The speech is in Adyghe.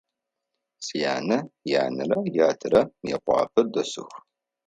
Сянэ янэрэ ятэрэ Мыекъуапэ дэсых.